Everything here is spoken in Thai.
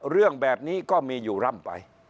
เรื่องแบบนี้ก็มีอยู่ร่ำไป